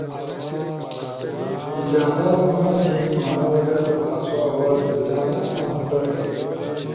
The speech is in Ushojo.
ایجادات منع تھینو، انا وجہ در آسو آواز پہچان عام در